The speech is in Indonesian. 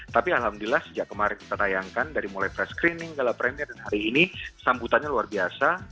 tapi alhamdulillah sejak kemarin kita tayangkan dari mulai fresh screening gala premier dan hari ini sambutannya luar biasa